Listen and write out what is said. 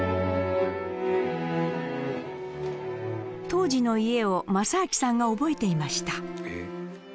当時の家を政亮さんが覚えていました。